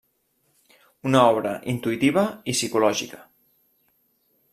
Una obra intuïtiva i psicològica.